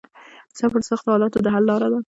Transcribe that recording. صبر د سختو حالاتو د حل لار ده.